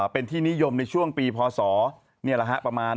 ประโยชน์ในช่วงปีพศประมาณ๑๓๐๐๑๗๐๐